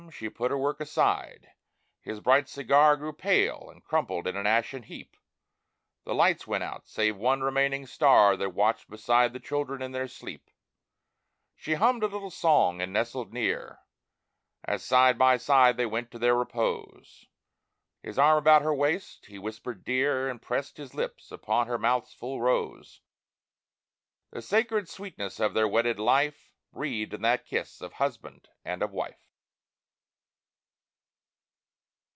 She put her work aside; his bright cigar Grew pale, and crumbled in an ashen heap. The lights went out, save one remaining star That watched beside the children in their sleep. She hummed a little song and nestled near, As side by side they went to their repose. His arm about her waist, he whispered "Dear," And pressed his lips upon her mouth's full rose— The sacred sweetness of their wedded life Breathed in that kiss of husband and of wife.